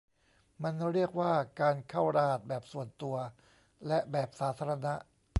มันเรียกว่าการเข้ารหัสแบบส่วนตัวและแบบสาธารณะ